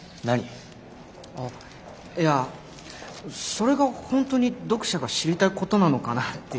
それが本当に読者が知りたいことなのかなって。